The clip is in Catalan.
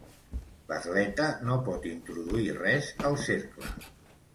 L'atleta no pot introduir res al cercle.